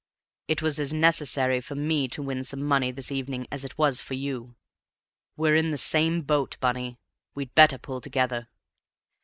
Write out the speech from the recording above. It was as necessary for me to win some money this evening as it was for you. We're in the same boat, Bunny; we'd better pull together."